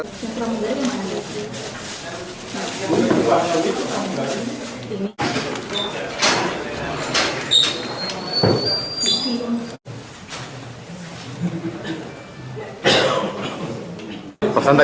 perlu masalnya dah